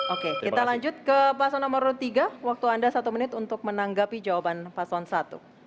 oke kita lanjut ke paslon nomor tiga waktu anda satu menit untuk menanggapi jawaban paslon satu